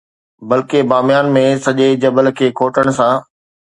بلڪه باميان ۾، سڄي جبل کي کوٽڻ سان